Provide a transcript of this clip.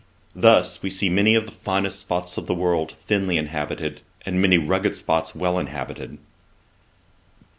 Thus, we see many of the finest spots in the world thinly inhabited, and many rugged spots well inhabited.'